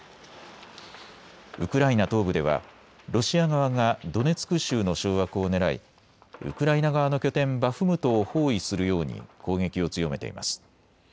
ウクライナ東部ではロシア側がドネツク州の掌握をねらいウクライナ側の拠点バフムトを包囲するように攻撃を強めています。